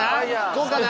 こうかな？